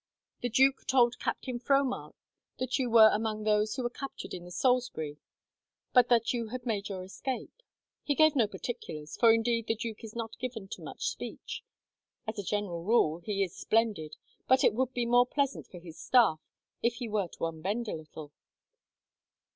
The duke told Captain Fromart that you were among those who were captured in the Salisbury, but that you had made your escape. He gave no particulars, for indeed, the duke is not given to much speech. As a general he is splendid, but it would be more pleasant for his staff if he were to unbend a little."